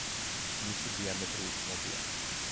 მისი დიამეტრი უცნობია.